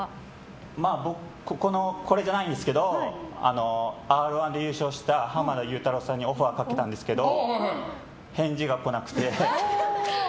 これじゃないんですけど「Ｒ‐１」で優勝した濱田祐太郎さんにオファーかけたんですけど返事が来なくて。